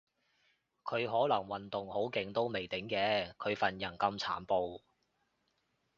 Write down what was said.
佢可能運動好勁都未定嘅，佢份人咁殘暴